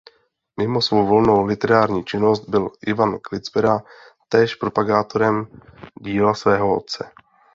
Mimo svou volnou literární činnost byl Ivan Klicpera též propagátorem díla svého otce.